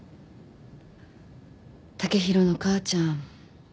剛洋の母ちゃん